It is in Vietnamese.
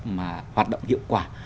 mà hoạt động hiệu quả